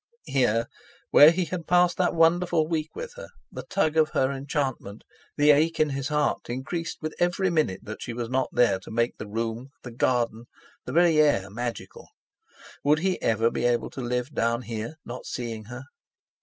Here, where he had passed that wonderful week with her—the tug of her enchantment, the ache in his heart increased with every minute that she was not there to make the room, the garden, the very air magical. Would he ever be able to live down here, not seeing her?